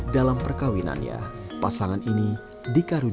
dalam perkawinannya pasangan ini dikarunikan